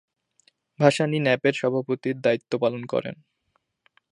ভাসানী ন্যাপের সভাপতির দায়িত্ব পালন করেন।